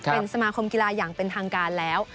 เป็นสมาคมกีฬาอย่างเป็นทางการแล้ว